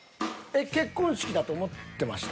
結婚式だと思ってました？